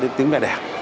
đến tiếng mẹ đẻ